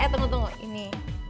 eh tunggu tunggu ini